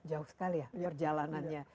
jauh sekali ya perjalanannya